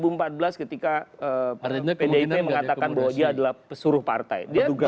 ingat dua ribu empat belas ketika pdik mengatakan bahwa dia adalah pesuruh partai